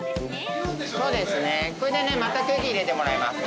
これでまた空気入れてもらいます。